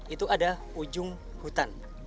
itu ada ujung hutan